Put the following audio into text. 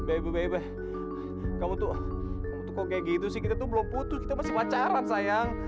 bebe kamu tuh kamu tuh kok kayak gitu sih kita tuh belum putus kita masih pacaran sayang